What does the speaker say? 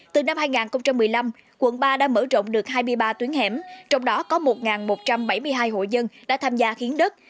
từ năm hai nghìn một mươi năm quận ba đã mở rộng được hai mươi ba tuyến hẻm trong đó có một một trăm bảy mươi hai hộ dân đã tham gia hiến đất